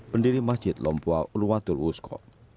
pendiri masjid lompua uluwatul wusko